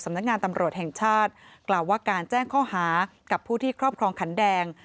นักงานตำรวจแห่งชาติกล่าวว่าการแจ้งข้อหากับผู้ที่ครอบครองขันแดง